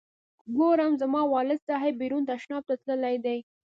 ګورم زما والد صاحب بیرون تشناب ته تللی دی.